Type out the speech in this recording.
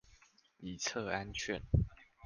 以策安全